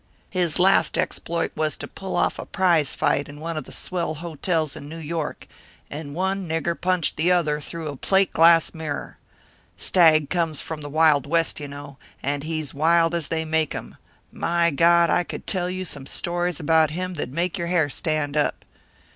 "His last exploit was to pull off a prize fight in one of the swell hotels in New York, and one nigger punched the other through a plate glass mirror. Stagg comes from the wild West, you know, and he's wild as they make 'em my God, I could tell you some stories about him that'd make your hair stand up!